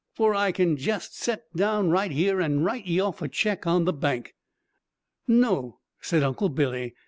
For I kin jest set down right here and write ye off a check on the bank!" "No," said Uncle Billy.